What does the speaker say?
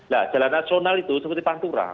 nah jalan nasional itu seperti pantura